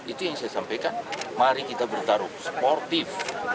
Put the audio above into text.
itu yang saya sampaikan mari kita bertaruh sportif